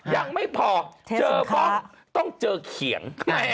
ยังไม่พอเจอบ้องต้องเจอเขียง